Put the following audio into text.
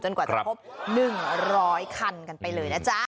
กว่าจะครบ๑๐๐คันกันไปเลยนะจ๊ะ